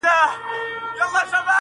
زه مي ژاړمه د تېر ژوندون کلونه.!